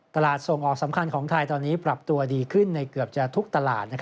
ตลาดส่งออกสำคัญของไทยตอนนี้ปรับตัวดีขึ้นในเกือบจะทุกตลาด